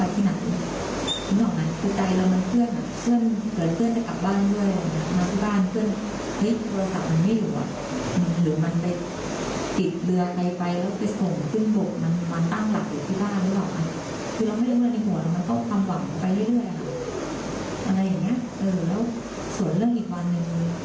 ไว้เอาความหวังไปเรื่อยอะไรแบบนี้และสวยเรื่องอีกวันหนึ่ง